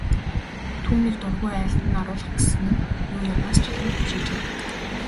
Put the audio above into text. Түүнийг дургүй айлд нь оруулах гэсэн нь юу юунаас ч илүү түгшээжээ.